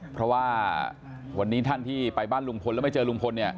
เพราะว่าวันนี้ท่านที่ไปบ้านลุงพลแล้วไม่เจอลุงพลเนี่ย